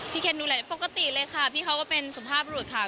เคนดูแลปกติเลยค่ะพี่เขาก็เป็นสุภาพรุษค่ะ